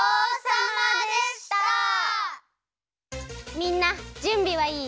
みんなじゅんびはいい？